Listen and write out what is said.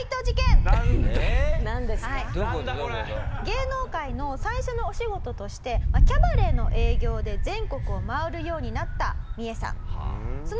芸能界の最初のお仕事としてキャバレーの営業で全国を回るようになったミエさん。